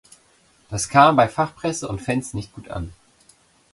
Das kam bei Fachpresse und Fans nicht gut an.